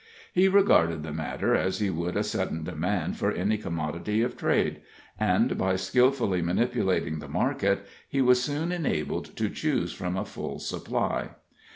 He regarded the matter as he would a sudden demand for any commodity of trade, and by skillfully manipulating the market he was soon enabled to choose from a full supply.